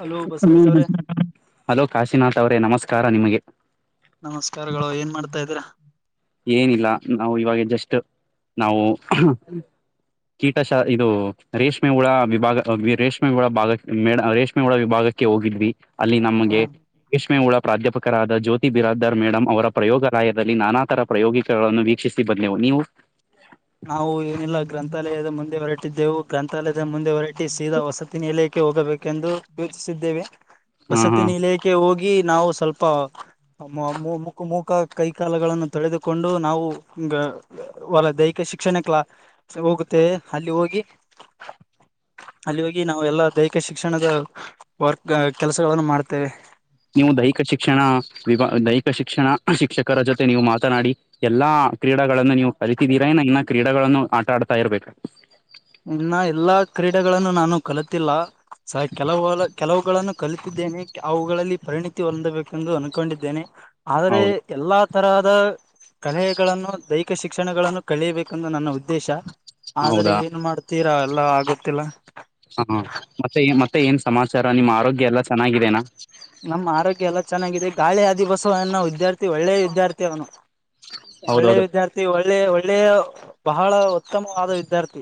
Hello Basavaraj ಅವ್ರೇ hello Kashinath ಅವ್ರೇ ನಮಸ್ಕಾರ ನಿಮಗೆ. ನಮಸ್ಕಾರಗಳು ಏನ್ ಮಾಡ್ತಾ ಇದ್ದೀರಾ. ಏನಿಲ್ಲ ನಾವು ಇವಾಗ ಜಸ್ಟ್ ನಾವು. ಕೀಟಶ ಇದು ರೇಷ್ಮೆ ಳ ವಿಭಾಗ ರೇಷ್ಮೆಗುಳ ಭಾಗ ಮಡ ರೇಷ್ಮೆ ಳ ವಿಭಾಗಕ್ಕೆ. ಕೆ ಹೋಗಿದ್ವಿ ಅಲ್ಲಿ ನಮಗೆ. ಷ್ಮೆ ಉಳ ಪ್ರಾಧ್ಯಾಪಕರಾದ ಜ್ಯೋತಿ ಬಿರಾದರ್ ಮೇಡಮಂ ಅವರ ಪ್ರಯೋಗರಾಯದಲ್ಲಿ ನಾನಾ ತರ. ಪ್ರಯೋಗಿಕಗಳನ್ನು ವೀಕ್ಷಿಸಿ ಬಂದವು ನೀವು. ನಾವು ಏನಿಲ್ಲ ಗ್ರಂಥಾಲಯದ ಮುಂದೆ ಹೊರಟಿದ್ದೆವು ಗ್ರಂಥಾಲಯದ ಮುಂದೆ ಹೊರಟಿ ಸೀದಾ ವಸತಿನಿಯಲೆ. ಹೋಗಬೇಕೆಂದು ಯೂಚಿಸಿದ್ದೇವೆ ಹ ಹಾ ವಸತಿನಿಲ. ಕೆ ಹೋಗಿ ನಾವು ಸ್ವಲ್ಪ ಮುಖ ಮುಕ ಕೈ ಕಾಲಗಳನ್ನು ತೊಳೆದುಕೊಂಡು ನಾವು ಹೊಲದೈ. ಶಿಕ್ಷಣ ಕ್ಲಾ ಹೋಗುತ್ತೆ ಅಲ್ಲಿ ಹೋಗಿ ಅಲ್ಲಿ ಹೋಗಿ ನಾವು. ಎಲ್ಲ ದೈಹಿಕ ಶಿಕ್ಷಣದ ವರ್ಕ್ ಕೆಲಸಗಳನ್ನು ಮಾಡ್ತೇವೆ. ನೀವು ದೈಹಿಕ ಶಿಕ್ಷಣ ವಿಭ ದೈಹಿಕ ಶಿಕ್ಷಣ ಶಿಕ್ಷಕರ ಜೊತೆ ನೀವು ಮಾತನಾಡಿ. ಎಲ್ಲಾ ಕ್ರೀಡಾಗಳನ್ನ ನೀವು ಕಲತಿದ್ದೀರಾ ನ ಇನ್ನ ಕ್ರೀಡಗಳನ್ನು ಆಟ ಆಡ್ತಾ ಇರ್ಬೇಕ. ಇನ್ನ ಎಲ್ಲಾ ಕ್ರೀಡೆಗಳನ್ನು ನಾನು ಕಲತಿಲ್ಲ ಸ ಕೆಲವು ಕೆಲವುಗಳನ್ನು. ಕಲಿತಿದ್ದೇನೆ ಅವುಗಳಲ್ಲಿ ಪರಿಣಿತಿ ಹೊಂದಬೇಕೆಂದು ಅನ್ಕೊಂಡಿದ್ದೇನೆ ಆದರೆ. ಹೌದಾ ಎಲ್ಲಾ ತರಹದ ಕಲೆಗಳನ್ನು ದೈ. ಕ ಶಿಕ್ಷಣಗಳನ್ನು ಕಳಿಯಬೇಕಂದು ನನ್ನ ಉದ್ದೇಶ ಆದರೆ ಹೌದಾ ಏನ್ ಮಾಡ್ತೀರಾ ಎಲ್ಲ ಆಗುತ್ತಿಲ್ಲ. ಹಾ ಮತ್ತೆ ಮತ್ತೆ ಏನ್ ಸಮಾಚಾರ ನಿಮ್ಮ ಆರೋಗ್ಯ ಎಲ್ಲಾ ಚೆನ್ನಾಗಾಗಿದೆನಾ. ನಮ್ಮ ಆರೋಗ್ಯ ಎಲ್ಲ ಚೆನ್ನಾಗಿದೆ ಗಾಳಿ ಹಧಿ ಬಸುವ ಅನ್ನೋ ವಿದ್ಯಾರ್ಥಿ ಒಳ್ಳೆ ವಿದ್ಯಾರ್ಥಿ ಅವನು. ಒಳ್ಳೆ ಹೌದೌದು ವಿದ್ಯಾರ್ಥಿ ಒಳ್ಳೆ ಒಳ್ಳೆಯ ಬಹಳ ಉತ್ತಮವಾದ ವಿದ್ಯಾರ್ಥಿ.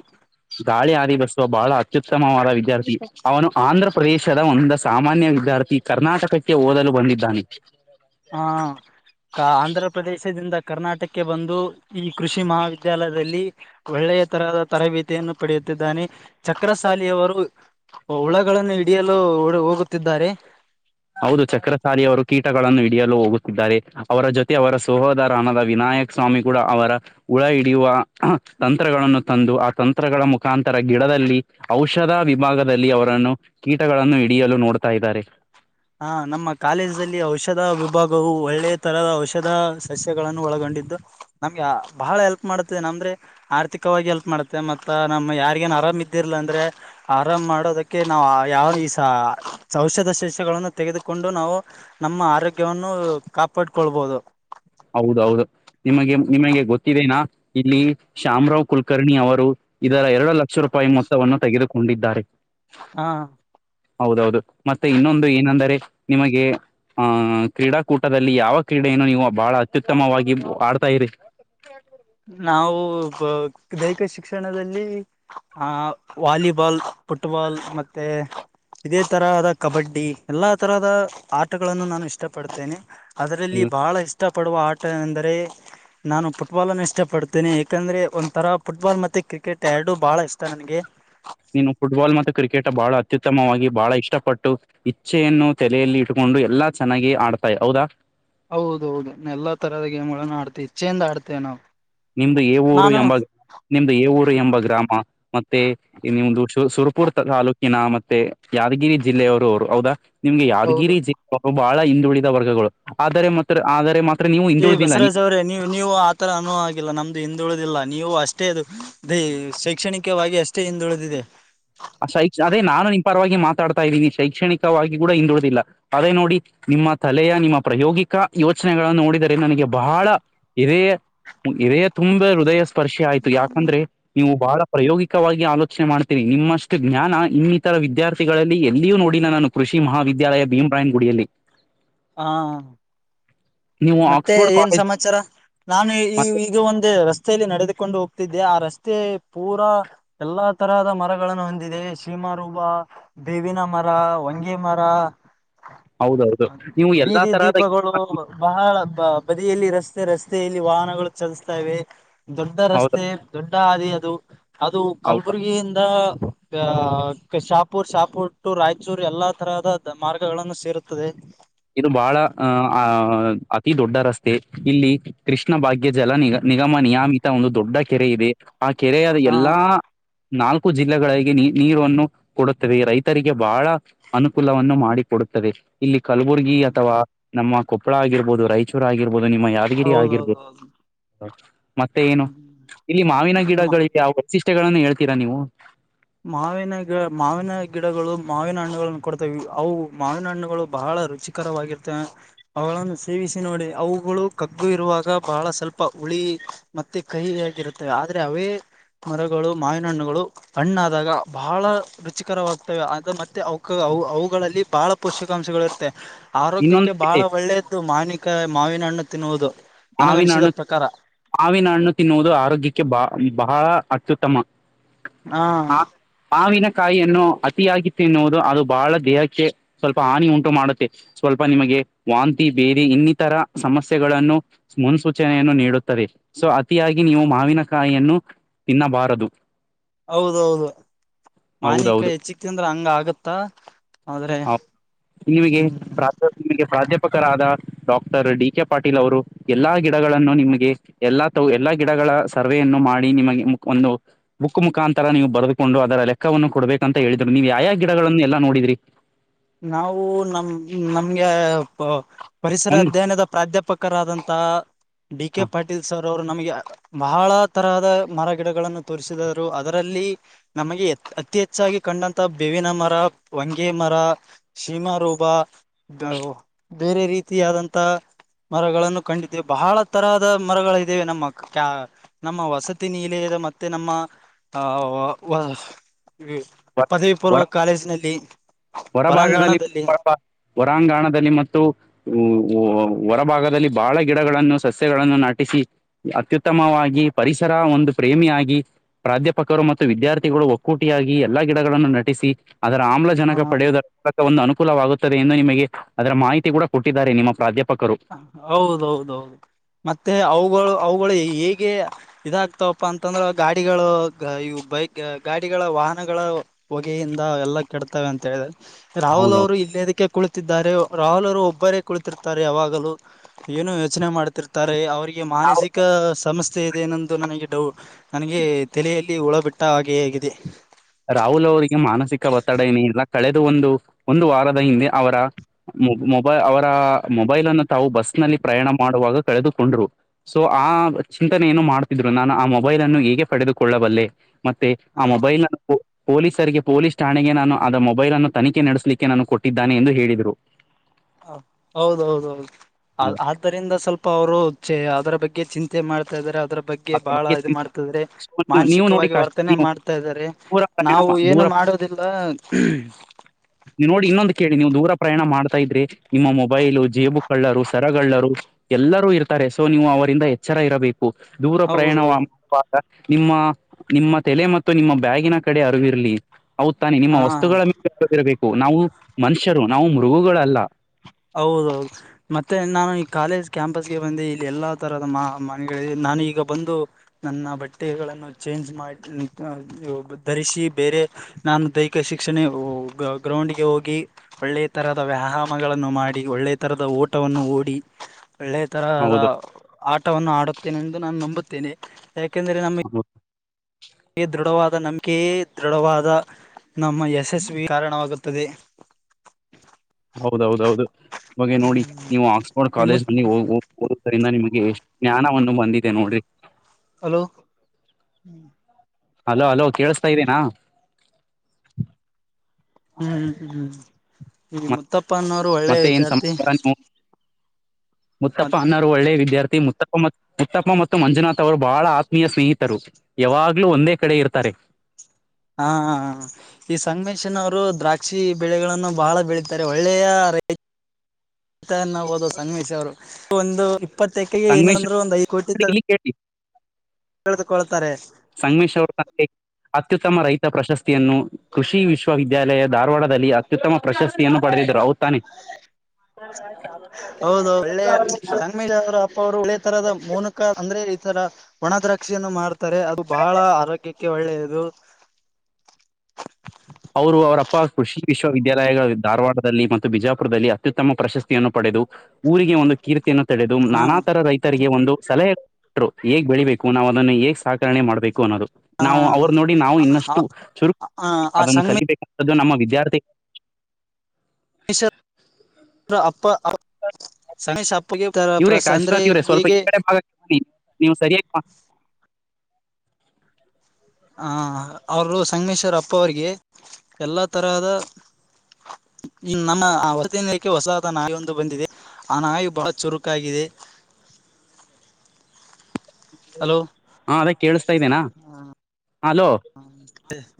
ಗಾಳಿ ಹಾರಿ ಬಸುವ ಬಹಳ ಅತ್ಯುತ್ತಮವಾದ ವಿದ್ಯಾರ್ಥಿ ಅವನು ಆಂಧ್ರ ಪ್ರದೇಶದ ಒಂದು ಸಾಮಾನ್ಯ ವಿದ್ಯಾರ್ಥಿ. ಕರ್ನಾಟಕಕ್ಕೆ ಓದಲು ಬಂದಿದ್ದಾನೆ. ಹಾ ಆಂಧ್ರ. ಪ್ರದೇಶದಿಂದ ಕರ್ನಾಟಕಕ್ಕೆ ಬಂದು ಈ ಕೃಷಿ ಮಹಾವಿದ್ಯಾಲಯದಲ್ಲಿ. ಒಳ್ಳೆಯ ತರದ ತರಬೇತಿಯನ್ನು ಪಡೆಯುತ್ತಿದ್ದಾನೆ. ಚಕ್ರಸಾಲಿಯವರು ಹಳಗಳನ್ನು ಹಿಡಿಯಲು ಹೋಗುತ್ತಿದ್ದಾರೆ. ಹೌದು ಚಕ್ರಸಾಲಿಯವರು ಕೀಟಗಳನ್ನು ಹಿಡಿಯಲು ಹೋಗುತ್ತಿದ್ದಾರೆ ಅವರ ಜೊತೆ ಅವರ ಸಹೋದರ ಅನದ ವಿನಾಯಕ್. ಸ್ವಾಮಿ ಕೂಡ ಅವರ. ಹುಳ ಹಿಡಿಯುವ ತಂತ್ರಗಳನ್ನು ತಂದು ಆ ತಂತ್ರಗಳ ಮುಖಾಂತರ ಗಿಡದಲ್ಲಿ. ಔಷಧ ವಿಭಾಗದಲ್ಲಿ ಅವರನ್ನು ಕೀಟಗಳನ್ನು ಹಿಡಿಯಲು ನೋಡ್ತಾ ಇದ್ದಾರೆ. ಹ ನಮ್ಮ ಕಾಲೇಜಲ್ಲಿ ಔಷಧ ವಿಭಾಗವು ಒಳ್ಳೆ ತರದ ಔಷಧ ಸಸ್ಯಗಳನ್ನು ಒಳಗೊಂಡಿದ್ದು. ನಮ್ಗೆ ಬಹಳ ಹೆಲ್ಪ್ ಮಾಡತೇ ನ ಅಮಂದ್ರೆ. ಆರ್ಥಿಕವಾಗಿ ಹೇಲ್ಪ್ ಮಾಡುತ್ತೆ ಮತ್ತ ನಮ್ಮ್ ಯಾರಿಗೇನ್ ಆರಾಮ್ ಇದ್ದಿರ್ಲ ಅಂದ್ರೆ. ಆರಾಮ್ ಮಾಡೋದಕ್ಕೆ ನಾವು ಯಾವ ಈಸ ಔಷದ್ ಸಸ್ಯ. ಗಳನ್ನು ತೆಗೆದುಕೊಂಡು ನಾವು ನಮ್ಮ ಆರೋಗ್ಯವನ್ನು ಕಾಪಾಡ್ಕೊಳ್ಬಹುದು. ಹೌದೌದು ನಿಮಗೆ ನಿಮಗೆ ಗೊತ್ತಿದೆನಾ ಇಲ್ಲಿ ಶಾಮರಾವ್ ಕುಲಕರ್ಣಿ ಅವರು. ಇದರ ಎರಡು ಲಕ್ಷ ರೂಪಾಯಿ ಮೊತ್ತವನ್ನು ತೆಗೆದುಕೊಂಡಿದ್ದಾರೆ. ಹೂ ಹೌದೌದು ಮತ್ತೆ ಇನ್ನೊಂದು ಏನಂದರೆ ನಿಮಗೆ ಆಹ ಕ್ರೀಡಾಕೂಟದಲ್ಲಿ ಯಾವ ಕ್ರೀಡೆಯನ್ನು ನೀವು ಬಹಳ ಅತ್ಯುತ್ತಮವಾಗಿ ಆಡ್ತಾ ಇರಿ ನಾವು ದೈಹಿಕ ಶಿಕ್ಷಣದಲ್ಲಿ ಆ ವಾಲಿಬಾಲ್, ಪುಟ್ಬಾಲ್ ಮತ್ತೆ ಇದೇ ತರಹದ ಕಬಡ್ಡಿ ಎಲ್ಲಾ ತರಹದ ಆಟಗಳನ್ನು ನಾನು ಇಷ್ಟಪಡ್ತೇನೆ. ಅದರಲ್ಲಿ ಬಹಳ ಇಷ್ಟ ಪಡುವ ಆಟ ಎಂದರೆ ನಾನು ಫುಟ್ಬಾಲ್ ನ್ನು ಇ ಇಷ್ಟಪಡ್ತೇನನೆ ಯಾಕೆಂದರೆ ಒಂಥರ ಫುಟ್ಬಾಲ್ ಮತ್ತು ಕ್ರಿಕೆಟ್ ಎರಡು ಭಾಳ ಇಷ್ಟಾ ನನಗೆ. ನೀನು ಫುಟ್ಬಾಲ್ ಮತ್ತು ಕ್ರಿಕೆಟ್ ಬಹಳ ಅತ್ಯುತ್ತಮವಾಗಿ ಬಹಳ ಇಷ್ಟಪಟ್ಟು ಇಚ್ಛೆಯನ್ನು ತಲೆಯಲ್ಲಿ ಇಟ್ಟಕೊಂಡು ಎಲ್ಲಾ ಚೆನ್ನಾಗಿ ಆಡ್ತಾರ ಹೌದಾ ಹೌದ ಹೌದು ಎಲ್ಲಾ ತರಹದ ಗೇಮ್ ಗೋಳನ್ನು ಆಡ್ತಿವಿ ಇಚ್ಛೆಯಿಂದ ಆಡ್ತೇವೆ ನಾವು ನಿಮ್ದು ಎಊರು ನಾನು ಎಂಬ ನಿಮ್ದು ಎಊರು ಎಂಬ ಗ್ರಾಮ ಮತ್ತೆ ಇ ನಿಮ್ದ ಸುರಪುರ್ ತಾಲೂಕಿನ ಮತ್ತೆ ಯಾದಗಿರಿ ಜಿಲ್ಲೆಯವರು ಅವರು ಹೌದಾ ನಿಮ್ಗೆ ಹೌದು ಯಾದಗಿರಿ ಜಿಲ್ಲಾ ಬಹಳ ಹಿಂದುಳಿದ ವರ್ಗಗಳು ಆದರೆ ಮಾತ್ರ ಆದರೆ ಮ ಏ ಬಸವರಾಜ್ ಅವ್ರೆ ನೀವು ನೀವು ಆತರ ಅನು ವಾಗಿಲ್ಲಾ ನಮ್ದು ಹಿಂದುಳುದಿಲ್ಲ ನೀವು ಅಷ್ಟೇ ಅದು ದೇ ಶೈಕ್ಷಣಿಕವಾಗಿ ಅಷ್ಟೇ ಹಿಂದುಳಿದಿದೆ ಶೈಕ್ಷಣಿಕ ಅದೇ ನಾನು ನಿನ್ ಪರವಾಗಿ ಮಾತಾಡ್ತಾ ಇದ್ದೀನಿ ಶೈಕ್ಷಣಿಕವಾಗಿ ಕೂಡ ಹಿಂದುಳಿದಿಲ್ಲಾ ಅದೇ ನೋಡಿ ನಿಮ್ಮ ತಲೆಯ ನಿಮ್ಮ ಪ್ರಾಯೋಗಿಕ ಯೋಚನೆಗಳನ್ನು ನೋಡಿದರೆ ನನಗೆ ಬಹಳಾ ಇದೆಯೇ ಇದೆಯಾ ತುಂಬಾ ಹೃದಯಸ್ ಸ್ಪರ್ಶೆ ಆಯ್ತು ಯಾಕಂದ್ರೆ ನೀವು ಬಹಳ ಪ್ರಯೋಗಿಕವಾಗಿ ಆಲೋಚನೆ ಮಾಡ್ ನಿಮ್ಮಷ್ಟು ಜ್ಞಾನ ಇನ್ನಿತರ ವಿದ್ಯಾರ್ಥಿಗಳಲ್ಲಿ ಎಲ್ಲಿಯೂ ನೋಡಿಲ್ಲಾ ನಾನು ಕೃಷಿ ಮಹಾವಿದ್ಯಾಲಯ ಭೀಮ್ರಾಯನ್ ಗುಡಿಯಲ್ಲಿ. ಹಾ ನೀವು ಮತ್ತೆ ಆಕ್ಸ್ಫೋರ್ಡ್ ಏನ್ ಕಾಲೇಜ್ ಸಮಾಚಾರ ನಾನು ಈ ಮತ್ತೆ ಈಗ ಒಂದ ರತೆ ರಸ್ತೆಯಲ್ಲಿ ನಡೆದುಕೊಂಡು ಹೋಗ್ತಿದ್ದೆ ಆ ರಸ್ತೆ ಪೂರಾ ಎಲ್ಲಾ ತರಹದ ಮರಗಳನ್ನು ಹೊಂದಿದೆ ಶೀಮಾರೂಪ ಬೇವಿನ ಮರಾ ಹೋಂಗೆ ಮರಾ ಹೌದೌದು ನೀವು ಎಲ್ಲಾ ಬೀದಿ ತರಹದ ದೀಪಗಳು ಬಹಳ ಬ ಬದಿಯಲ್ಲಿ ರಸ್ತೆ ರಸ್ತೆಯಲ್ಲಿ ವಾಹನಗಳು ಚಲಸ್ತಾ ಇವೆ. ದೊಡ್ಡ ಹೌದ ರಸ್ತೆ ದೊಡ್ಡ ಹಾದಿ ಅದು ಅದು ಹೌದು ಕಲಬುರ್ಗಿಯಿಂದ ಅ ಶಾಪೂರ್ ಶಾಪುರ್ ಟು ರಾಯಚೂರ್ ಎಲ್ಲಾ ತರಹದ ಮಾರ್ಗಗಳನ್ನು ಸೇರುತ್ತದೆ. ಇದು ಬಹಳ ಅಹ್ ಅ ಅತಿ ದೊಡ್ಡ ರಸ್ತೆ ಇಲ್ಲಿ, ಕೃಷ್ಣ ಭಾಗ್ಯ ಜಲ ನಿಗ ನಿಗಮ ನಿಯಮಿತ ಒಂದು ದೊಡ್ಡ ಕೆರೆ ಇದೆ ಆ ಕೆರೆಯಾದ ಹಾ ಎಲ್ಲಾ, ನಾಲ್ಕು ಜಿಲ್ಲೆಗಳಿಗೆ ನೀ ನೀರನ್ನು ಕೊಡುತತ್ತದೆ ರೈತರಿಗೆ ಬಹಳ ಅನುಕೂಲವನ್ನು ಮಾಡಿಕ ಕೊಡುತ್ತದೆ ಇಲ್ಲಿ ಕಲಬುರ್ಗಿ ಹ್ಮ್ ಅಥವಾ ನಮ್ಮ ಕೊಪ್ಪಳ ಆಗಿರ್ಬೋದು ರಾಯಚೂರ್ ಆಗಿರ್ಬೋದು ನಿಮ್ಮ ಯಾದಗಿರಿ ಆಗಿರ್ಬೋದು ಹೌದೌದೌದು ಹ ಮತ್ತೆ ಏನು ಇಲ್ಲಿ ಮಾವಿನ ಹ್ಮ್ ಗಿಡಗಳಿಗೆ ಯಾವ ವೈಶಿಷ್ಟ್ಯಗಳನ್ನು ಹೇಳ್ತೀರಾ ನೀವು. ಮಾವಿನ ಗಿ ಮಾವಿನ ಗಿಡಗಳು ಮಾವಿನ ಹಣ್ಣುಗಳನ್ನು ಕೊಡ್ತವಿ ಅವು ಮಾವಿನ ಹಣ್ಣುಗಳು ಬಹಳ ರುಚಿ ಕರವಾಗಿರ್ತ [unintelligible] ಅವುಗಳನ್ನು ಸೇವಿಸಿ ನೋಡಿ ಅವುಗಳು ಕಗ್ಗು ಇರುವಾಗ ಬಹಳ ಸ್ವಲ್ಪ ಹುಳಿ ಮತ್ತೆ ಕಹಿ ಆಗಿರುತ್ತವೆ ಆದ್ರೆ ಅವೇ ಮರಗಳು ಮಾವಿನ ಹಣ್ಣುಗಳು ಹಣ್ಣಾದಾಗ ಬಹಳ ರುಚಿಕರವಾಗ್ತವೆ ಅ ಮತ್ತೆ ಅವು ಅವುಗಳಲ್ಲಿ ಬಾಳ್ ಪೋಷಿಕಾಂಶಗಳಿರುತ್ತೆ ಆರೋಗ್ಯಕ್ಕೆ ಇನ್ನೊಂದು ಬಹಳ ಕೇಳಿ ಒಳ್ಳೇದ್ದು ಮಾವಿಕಾಯ ಮಾವಿನ ಹಣ್ಣು ತಿನ್ನುವುದು. ಮಾವಿನ ನನಗನಿಸಿದ ಹಣ್ಣು ಪ್ರಕಾರ ಮಾವಿನ ಹಣ್ಣು ತಿನ್ನುವುದು ಆರೋಗ್ಯಕ್ಕೆ ಬಾ ಬಹಳ ಅತ್ಯುತ್ತಮ ಹಾ ಆ ಮಾವಿನ ಕಾಯಿಯನ್ನು ಅತಿಯಾಗಿ ತಿನ್ನುವುದು ಅದು ಬಹಳ ದೇಹಕ್ಕೆ ಸ್ವಲ್ಪ ಹಾನಿ ಉಂಟು ಮಾಡುತ್ತೆ. ಸ್ವಲ್ಪ ನಿಮಗೆ ವಾಂತಿ ಬೇದ ಇನ್ನಿತರ ಸಮಸ್ಯೆಗಳನ್ನು ಮುನ್ಸೂಚನೆಯನ್ನು ನೀಡುತ್ತುತ್ತದೆ ಸೊ ಅತಿಯಾಗಿ ನೀವು ಮಾವಿನಕಾಯಿಯನ್ನು ತಿನ್ನಬಾರದು ಹೌದೌದು ಮಾನ್ಯಿಕ ಹೌದೌದು ಹೆಚ್ಚಿಕ್ ಅಂದ್ರ ಹಂಗ ಆಗತ್ತ ಆದ್ರೆ ಇವಿಗೆ ಹ್ಮ್ ಪ್ರಾಧ ಇವಿಗೆ ಪ್ರಾಧ್ಯಾಪಕರಾದ ಡಾಕ್ಟರ್ ಡಿ ಕೆ ಪಾಟೀಲ್ ಅವರು ಎಲ್ಲಾ ಗಿಡಗಳನ್ನು ನಿಮಗೆ ಎಲ್ಲಾ ತ ಎಲ್ಲಾ ಗಿಡಗಳ ಸರ್ವೆಯನ್ನು ಮಾಡಿ ನಿಮಗೆ ಒಂದು ಮುಖಕ್ಕ ಮುಖಾಂತರ ನೀವು ಬರೆದುಕೊಂಡು ಅದರ ಲೆಕ್ಕವನ್ನು ಕೊಡ್ಬೇಕ ಅಂತ ಹೇಳಿದ್ರ ನೀವು ಯಾಯ ಗಿಡಗಳಗಳನ್ನು ಎಲ್ಲ ನೋಡಿದ್ರಿ ನಾವು ನಮ ನಮ್ಗೆ ಪರಿಸರ ಒಂದ್ ಅಧ್ಯಯನದ ಪ್ರಾಧ್ಯಾಪಕರಾದಂತಹ ಡಿ ಕೆ ಪಾಟ ಪಟೀಲ್ ಸರ್ ಅವರು ನಮಗೆ ಬಹಳ ತರಹದ ಮರಗಿಡಗಳನ್ನು ತೋರಿಸರು ಅದರಲ್ಲಿ ನಮಗೆ ಅತಿ ಹೆಚ್ಚಾಗಿ ಕಂಡಂತ ಬೇವಿನ ಮರ ಮಂಗಗೆ ಮರ ಸೀಮಾರೋಪ ಬೇರೆ ರೀತಿಯಾದಂತ ಮರಗಳನ್ನು ಕಂಡಿದ್ದ ಬಹಳ ತರಹದ ಮರಗಳ ಇದ್ದೆ ನಮ್ಮ ಕ ನಮ್ಮ ವಸತಿ ನಿಲಯದ ಮತ್ತೆ ನಮ್ಮ ಆ ಪದವಿ ಪೂರ್ವ ಕಾಲೇಜನಲ್ಲಿ ಭಾಗದಲ್ಲಿ ಹೊರಾಂಗಣದಲ್ಲಿ ಮತ್ತು ಹ ಹೊರಭಾಗದಲ್ಲಿ ಬಹಳ ಗಿಡಗಳನ್ನು ಸಸ್ಯಗಳನ್ನು ನಾಟಿಸಿ ಅತ್ಯುತ್ತಮವಾಗಿ ಪರಿಸರ ಒಂದು ಪ್ರೇಮಿಯಾಗಿ ಪ್ರಾಧ್ಯಾಪಕರು ಮತ್ತು ವಿದ್ಯಾರ್ಥಿಗಳು ಒಕ್ಕೂಟಿಯಾಗಿ ಎಲ್ಲ ಗಿಡಗಳನ್ನು ನಟಿಸಿ ಅದರ ಹ ಆಮ್ಲಜನಕ ಪಡೆಯುವುದರ ಒಂದು ಅನುಕೂಲವಾಗುತ್ತದೆ ಎಂದು ನಿಮಗೆ ಅದರ ಮಾಹಿತಿ ಕೂಡ ಕೊಟ್ಟಿದ್ದಾರೆ ನಿಮ್ಮ ಪ್ರಾಧ್ಯಾಪಕರು ಹೌದೌದೌದು ಮತ್ತೆ ಅವುಗಳು ಅವುಗಳು ಹೇಗೆ ಇದಾಗ್ತವಪ್ಪಾ ಅಂತಂದ್ರ ಗಾಡಿಗಳು ಇವು ಬೈಕ್ ಗಾಡಿಗಳ ವಾಹನಗಳ ಹೊಗೆಯಿಂದ ಎಲ್ಲ ಕೆಡ್ತವೆ ಅಂತ ಹೇಳಿದ ರಾಹುಲ್ ಹೌದೌದು ಅವರು ಇಲ್ಲೇದಕ್ಕೆ ಕುಳಿತಿದ್ದಾರೆ ರಾಹುಲ್ ಅವರು ಒಬ್ಬರೇ ಕುಳಿತಿರ್ತಾರೆ ಯಾವಾಗ ಏನು ಯೋಚನೆ ಮಾಡುತ್ತರ್ತಾರೆ ಅವರಿಗೆ ನಾವು ಮಾನಸಿಕ ಸಮಸ್ಯೆ ಇದೆನ್ನಂದು ನನಗೆ ಡೌ ನನಗೆ ತಲೆಯಲ್ಲಿ ಹಳ ಬಿಟ್ಟ ಹಾಗೆ ಹೇಗಿದೆ ರಾಹುಲ್ ಅವರಿಗೆ ಮಾನಸಿಕ ಒತ್ತಡ ಏನೇ ಇಲ್ಲ ಕಳೆದ ಒಂದು ಒಂದು ವಾರದ ಹಿಂದೆ ಅವರ ಮೊ ಮೊಬೈ ಅವರ ಮೊಬೈಲ್ ಅನ್ನು ತಾವು ಬಸ್ನಲ್ಲಿ ಪ್ರಯಾಣ ಮಾಡುವಾಗ ಕಳೆದುಕೊಂಡ್ರು ಸೊ ಆ ಚಿಂತನೆ ಏನು ಮಾಡ್ತಿದ್ರು ನಾನು ಆ ಮೊಬೈಲ್ ಅನ್ನು ಹೀಗೆ ಪಡೆದುಕೊಳ್ಳಬಲ್ಲೆ ಮತ್ತೆ ಆ ಹ ಮೊಬೈಲ್ ಪೊಲೀಸರಿಗೆ ಪೊಲೀಸ್ ಠಾಣೆಗೆ ನಾನು ಅ ಮೊಬೈಲ್ ಅನ್ನು ತನಿಖೆ ನಡೆಸಲಿಕ್ಕೆ ನಾನು ಕೊಟ್ಟಿದ್ದಾನೆ ಎಂದು ಹೇಳಿದರು ಹ ಹೌದೌದ ಹೌದು ಆ ಇದದರಿಂದ ಸ್ವಲ್ಪ ಅವರು ಅದರ ಬಗ್ಗೆ ಚಿಂತೆ ಮಾಡ್ತಾ ಇದ್ದಾರೆ ಅದರ ಬಗ್ಗೆ ಗೆ ಬಹಳ ಇದು ಮಾಡ್ತಾರೆ ನೀವು ನೋಡಿ ಮಾನಸಿಕವಾಗಿ ಕಾಶಿ ವರ್ತನೆ ನೀವು ಮಾಡ್ತಾ ಇದಾರೆ ದೂರ ನಾವು ಪ್ರಯಾಣ ಏನು ದೂರ ಮಾಡೋದಿಲ್ಲ ನೀ ನೋಡಿ ಇನ್ನೊಂದು ಕೇಳಿ ನೀವು ದೂರ ಪ್ರಯಾಣ ಮಾಡ್ತಾ ಇದ್ರಿ ನಿಮ್ಮ ಮೊಬೈಲು ಜೇಬುಕ್ಳ್ಳರು ಸರಗಳಳ್ಳರು ಎಲ್ಲರೂ ಇರ್ತಾರೆ ಸೊ ನೀವು ಅವರಿಂದ ಎಚ್ಚರ ಇರಬೇಕು ದೂರ ಪ್ರಯಾಣ ಹೌದೌದು ಮಾಡುವಾಗ ನಿಮ್ಮ ನಿಮ್ಮ ತೆಲೆ ಮತ್ತು ನಿಮ್ಮ ಬ್ಯಾಗಿನ ಕಡೆ ಅರಿವಿರ್ಲಿ ಹೌದ ತಾನೆ ನಿಮ್ಮ ಹಾ ವಸ್ತುಗಳ ಮೇಲೆದಿರಬೇಕು ನಾವು ಮನುಷ್ಯರು ನಾವು ಮೃಗುಗಳಲ್ಲ ಹೌದೌದು ಮತ್ತೆ ನಾನು ಈ ಕಾಲೇಜ್ ಕ್ಯಾಂಪಸ್ಗೆ ಬಂದ ಇಲ್ಲಿ ಎಲ್ಲಾ ತರದ ಮಾ ಮನೆಗಳ ನಾನು ಈಗ ಬಂದು ನನ್ನ ಬಟ್ಟೆಗಳನ್ನು ಚೇಂಜ್ ಮಾಡಿ ಧರಿಸಿ ಬೇರೆ ನಾನು ದೈಹಿಕ ಶಿಕ್ಷಣೆ ಗ್ರೌಂಡ್ ಗೆ ಹೋಗಿ ಒಳ್ಳೆ ತರದ ವ್ಯಾಹ ಗಳನ್ನು ಮಾಡಿ ಒಳ್ಳೆ ತರಹದ ಊಟವನ್ನು ಓಡಿ ಒಳ್ಳೆ ತರಹದ ಹೌದು ಆಟವನ್ನು ಆಡುತ್ತೇನೆ ಎಂದು ನಾನು ನಂಬುತ್ತೇನೆ ಯಾಕೆಂದ್ರೆ ನ ಹ ದೃಢವಾದ ನಂಬಿಕೆಯೇ ದೃಢವಾದ ನಮ್ಮ ಯಶಸ್ವಿ ಕಾರಣವಾಗುತ್ತದೆ ಹ್ಮ ಹೌದೌದೌದು ಇಗೆ ನೋಡಿ ನೀವು ಆಕ್ಸ್ಫೋರ್ಡ್ ಹ್ಮ ಕಾಲೇಜ್ ನಲ್ಲಿ ಹೋಗ ಓದದ್ರಂದ ನಿಮ್ಗೆ ಎಷ್ಟ್ ಜ್ಞಾನ ಒಂದು ಬಂದಿದೆ ನೋಡ್ರಿ ಹಲೋ ಹಲೋ ಹಲೋ ಕೇಳಿಸಸ್ತಾ ಇದ್ದೀನಾ ಹ್ಮ್ ಹ್ಮ್ ಹ್ಮ್ ಈಗ ಮುತ್ತಪ್ಪ ಅನ್ನೋರು ಒಳ್ಳೆ ಮತ್ತೆ ಏನ್ ವಿದ್ಯಾರ್ಥಿ ಸಮಾಚಾರ ನೀವು ಮುತ್ತಪ್ಪ ಮತ್ ಅನ್ನೋರು ಒಳ್ಳೆ ವಿದ್ಯಾರ್ಥಿ ಮುತ್ತಪ್ಪ ಮುತ್ತಪ್ಪ ಮತ್ತು ಮಂಜುನಾಥ್ ಅವರು ಬಹಳ ಆತ್ಮೀಯ ಸ್ನೇಹಿತರು ಯಾವಾಗ್ಲೂ ಒಂದೇ ಕಡೆ ಇರ್ತಾರೆ ಹಾ ಈ ಸಂಮೇಶನ್ವರು ದ್ರಾಕ್ಷಿ ಬೆಳೆಗಳನ್ನು ಬಹಳ ಬೆಳೀತಾರೆ ಒಳ್ಳೆಯ ರ ನ ಹೋದು ಸಂನ್ಮೇಶ್ ಅವರು ಒಂದು ಇಪ್ಪತ್ತ ಎಕೆಗೆ ಏನಂದ್ರರು ಒಂದು ಐದುಟಿ ತ ಕೆಟಿ ತಿಳಿದುಕೊಳ್ತಾರೆ ಸಂಮೇಶ್ ಅವರ ತಂದೆ ಅತ್ಯುತ್ತಮ ರೈತ ಪ್ರಶಸ್ತಿಯನ್ನು ಕೃಷಿ ವಿಶ್ವವಿದ್ಯಾಲಯ ಧಾರವಾಡದಲ್ಲಿ ಅತ್ಯುತ್ತಮ ಪ್ರಶಸ್ತಿಯನ್ನು ಪಡೆದಿದ್ರು ರೌ ತಾನೆ [unintelligible] ಅವ ಅಪ್ಪ ಅವರು ಒಳ್ಳೆ ತರದ ಮೌನಕ ಅಂದ್ರೆ ಈ ತರ ಒಣ ದ್ರಾಕ್ಷಿಯನ್ನು ಮಾಡ್ತಾರೆ ಅದು ಬಹಳ ಆರೋಗ್ಯಕ್ಕೆ ಒಳ್ಳೆಯದು ಅವರು ಅವರಪ್ಪ ಕೃಷಿ ವಿಶ್ವವಿದ್ಯಾಲಯಗಳ ಧಾರವಾಡದಲ್ಲಿ ಮತ್ತು ಬಿಜಾಪುರದಲ್ಲಿ ಅತ್ಯುತ್ತಮ ಪ್ರಶಸ್ತಿಯನ್ನು ಪಡೆದು ಊರಿಗೆ ಒಂದು ಕೀರ್ತಿಯನ್ನು ತಡೆದು ಹ ನಾನಾ ತರ ರೈತ ರಿಗೆ ಒಂದು ಸಲಹೆ ಕೊಟ್ಟರು ಹೇಗ್ ಬೆಳಿಬೇಕು ನಾವು ಅದನ್ನು ಹೇಗ್ ಸಾಕಣೆ ಮಾಡ್ಬೇಕು ಅನ್ನೋದು ನಾವು ಅವ್ರ ನೋಡಿ ನಾವು ಹ ಇನ್ನಷ್ಟು ಚುರುಕ ಆ ಅದನ್ನ ಸಂಗಮೇಶ್ ಕಲಿಬೇಕಂತದ್ದು ನಮ್ಮ ವಿದ್ಯಾರ್ಥಿ ಅವ ಅಪ್ಪ ಸಣೇಶ ಅಪ್ಪಗೆ ಪ್ರ ಇವ್ರೇ ಅಂದ್ರೆ ಕಾಶಿನಾಥ್ ಇವ್ರೆ ಸ್ವಲ್ಪ ಈ ಹೇಗೆ ಕಡೆ ಭಾಗಕ್ಕೆ ನೀವು ಸರಿಯಾಗಿ ಹ ಅವರು ಸಂಗಮೇಶ್ವರ್ ಅಪ್ಪ ಅವಿಗೆ ಎಲ್ಲಾ ತರಹದ ಹ್ ನಮ್ಮ ಆ ಹೊತಿನಕ್ಕೆ ಹೊಸತ ನಾವೆ ಒಂದು ಬಂದಿದೆ ಆ ನಾಯಿ ಬಹಳ ಚುರುಕಾಗಿದೆ ಹಲೋ ಹಾ ಅದೇ ಕೇಳಸ್ತಾ ಇದ್ದೇನಾ ಅಲೋ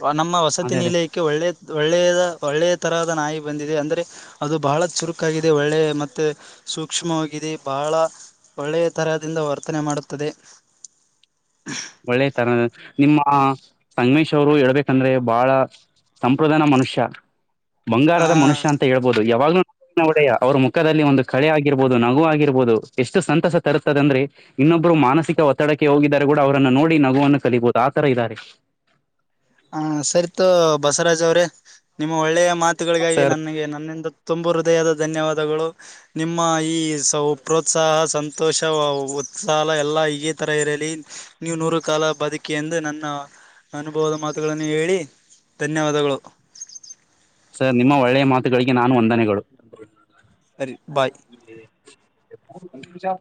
ಹ ನಮ್ಮ ವಸತಿ ಅದೇ ಅದೇ ನಿಲೆ ಕ್ಕೆ ಒಳ್ಳೆ ಒಳ್ಳೆಯದ ಒಳ್ಳೆ ತರಹದ ನಾಯಿ ಬಂದಿದೆ ಅಂದರೆೆ ಅದು ಬಹಳ ಚುರುಕಾಗಿದೆ ಒಳ್ಳೆ ಮತ್ತೆ ಸೂಕ್ಷ್ಮವಾಗಿದೆ ಬಹಳ ಒಳ್ಳೆಯ ತರಹದಿಂದ ವರ್ತನೆ ಮಾಡುತ್ತದೆ ಒಳ್ಳೆ ತರ ನಿಮ್ಮ ಸಂಗಮೇಶ್ ಅವರು ಹಳ್ಬೇಕಂದ್ರೆ ಬಾಳ ಸಂಪ್ರದಾನ ಮನುಷ್ಯ ಬಂಗಾರದ ಮನುಷ್ಯ ಆ ಅಂತ ಹೇಳ್ಬೋದು ಯಾವಾಗ್ಲು ಒಡೆಯ್ಯ ಅವರ ಮುಖದಲ್ಲಿ ಒಂದು ಕಳೆ ಆಗಿರ್ಬೋದು ನಗು ಆಗಿರ್ಬೋದು ಎಷ್ಟು ಸಂತಸ ತರುತ್ತದೆ ಅಂದ್ರೆ ಇನ್ನೊಬ್ರು ಮಾನಸಿಕ ಒತ್ತಡಕ್ಕೆ ಹೋಗಿದಿದ್ದಾರೆ ಕೂಡ ಅವರನ್ನ ನೋಡಿ ನಗುವನ್ನು ಕಲಿಬಹುದು ಆತರ ಇದಾರೆ ಹ ಸರಿತು ಬಸವರಾಜ್ ಅವ್ರೆ ನಿಮ್ಮ ಒಳ್ಳೆಯ ಮಾತುಗಳಿಗಾಗಿ ಸರ್ ನನಗೆ ನನ್ನಂದು ತುಂಬು ಹೃದಯದ ಧನ್ಯವಾದಗಳು ನಿಮ್ಮ ಈ ಸ ಪ್ರೋತ್ಸಾಹ ಸಂತೋಷ ಉತ್ಸಾಹ ಎಲ್ಲ ಈಗೇ ಥರ ಇರಲಿ ನೀವು ನೂರು ಕಾಲ ಬದುಕಿ ಎಂದು ನನ್ನ ಅನುಭವ ಮಾ ಗಳನ್ನು ಹೇಳಿ ಧನ್ಯವಾದಗಳು ಸರ್ ನಿಮ್ಮ ಒಳ್ಳೆಯ ಮಾತುಗಳಿಗೆ ನಾನು ವಂದನೆಗಳು ಸರಿ ಬಾಯ್ ಜ